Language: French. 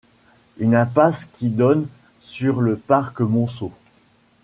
Une impasse qui donne sur le parc Monceau.